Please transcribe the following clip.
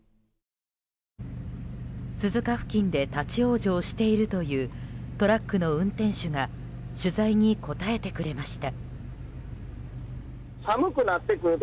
鈴鹿付近で立ち往生しているというトラックの運転手が取材に答えてくれました。